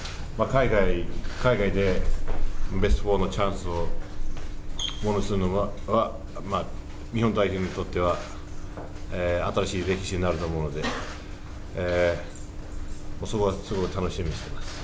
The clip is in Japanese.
海外でベスト４のチャンスをものにするのは日本代表にとっては新しい歴史になると思うので、そこはすごい楽しみにしています。